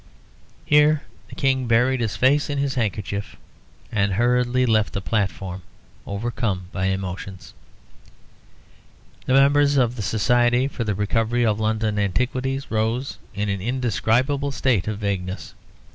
Here the King buried his face in his handkerchief and hurriedly left the platform, overcome by emotions. The members of the Society for the Recovery of London Antiquities rose in an indescribable state of vagueness.